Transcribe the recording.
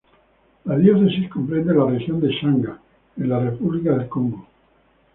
La diócesis comprende la región de Sangha en la república de Congo.